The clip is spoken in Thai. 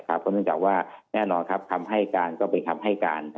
เพราะเนื่องจากว่าแน่นอนครับคำให้การก็เป็นคำให้การ